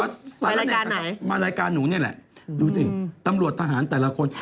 ตำรวจทหารมาไปฉันขอสรรเน่งนะคะมารายการหนูนี่แหละดูสิตำรวจทหารแต่ละคน